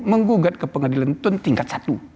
menggugat ke pengadilan itu tingkat satu